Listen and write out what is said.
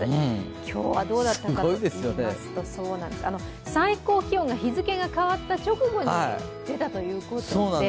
今日はどうだったのかといいますと、最高気温が日付が変わった直後に出たということで。